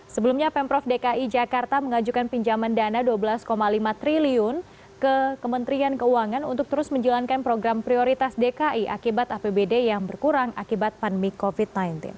sebelumnya pemprov dki jakarta mengajukan pinjaman dana rp dua belas lima triliun ke kementerian keuangan untuk terus menjalankan program prioritas dki akibat apbd yang berkurang akibat pandemi covid sembilan belas